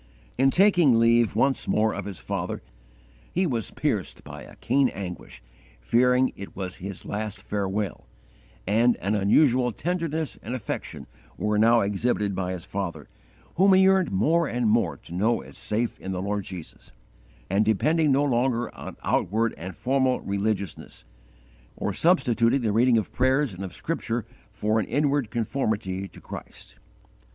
In taking leave once more of his father he was pierced by a keen anguish, fearing it was his last farewell, and an unusual tenderness and affection were now exhibited by his father, whom he yearned more and more to know as safe in the Lord Jesus, and depending no longer on outward and formal religiousness, or substituting the reading of prayers and of Scripture for an inward conformity to Christ.